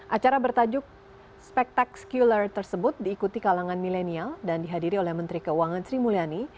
acara bertajuk spektak scular tersebut diikuti kalangan milenial dan dihadiri oleh menteri keuangan sri mulyani